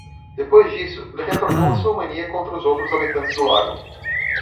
Depois disso, ele retornou à sua mania contra os outros habitantes do lago.